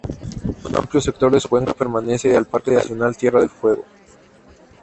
Un amplio sector de su cuenca pertenece al parque nacional Tierra del Fuego.